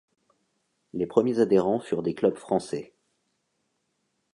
Les premiers adhérents furent des clubs français.